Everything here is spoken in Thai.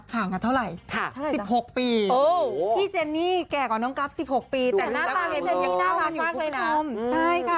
กันเท่าไหร่๑๖ปีพี่เจนี่แก่กว่าน้องกรัฟ๑๖ปีแต่หน้าตาเม็ดเจนี่หน้าตามากเลยนะ